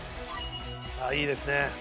ああいいですね。